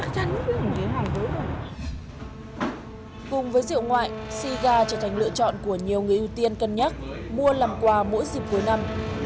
cùng với rượu ngoại siga trở thành lựa chọn của nhiều người ưu tiên cân nhắc mua làm quà mỗi dịp cuối năm